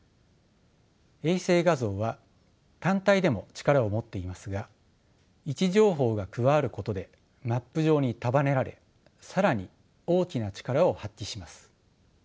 衛星画像は単体でも力を持っていますが位置情報が加わることでマップ上に束ねられ更に大きな力を発揮します。